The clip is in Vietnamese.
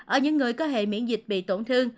ở những người có hệ miễn dịch bị tổn thương